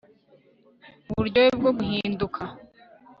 uburyohe bwo guhinduka